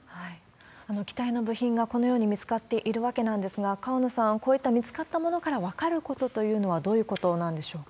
機体の部品がこのように見つかっているわけなんですが、河野さん、こういった見つかったものから分かることというのはどういうことなんでしょうか？